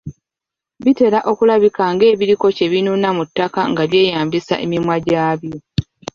Bitera okulabika ng'ebiriko kye binuuna mu ttaka nga byeyambisa emimwa gyabyo .